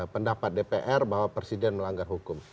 pendapat dpr bahwa presiden melanggar hukum